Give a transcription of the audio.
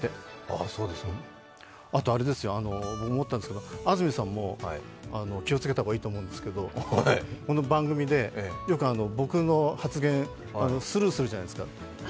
あと思ったんですけど、安住さんも気をつけた方がいいと思うんですけど、この番組で、よく僕の発言スルーするじゃないですか。